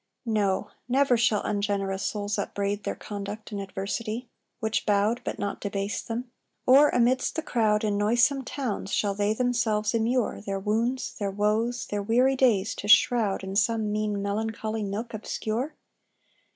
No! never shall ungenerous souls upbraid Their conduct in adversity which bowed But not debased them. Or, amidst the crowd, In noisome towns shall they themselves immure, Their wounds, their woes, their weary days to shroud In some mean melancholy nook obscure?